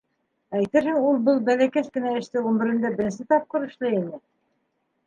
Әйтерһең, ул был бәләкәс кенә эште ғүмерендә беренсе тапҡыр эшләй ине.